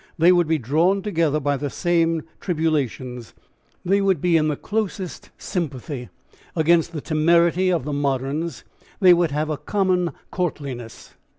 They would be drawn together by the same tribulations; they would be in the closest sympathy against the temerity of the moderns; they would have a common courtliness.